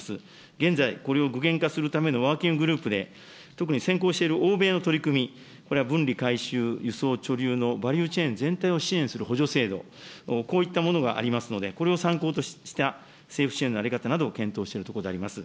現在、これを具現化するためのワーキンググループで、特に先行している欧米の取り組み、これは分離回収、輸送、貯留のバリューチェーン全体を支援する補助制度、こういったものがありますので、これを参考とした政府支援の在り方などを検討しているところであります。